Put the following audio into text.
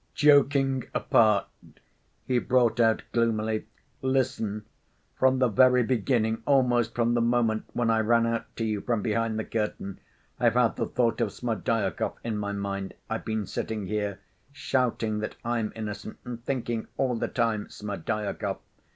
"Joking apart," he brought out gloomily. "Listen. From the very beginning, almost from the moment when I ran out to you from behind the curtain, I've had the thought of Smerdyakov in my mind. I've been sitting here, shouting that I'm innocent and thinking all the time 'Smerdyakov!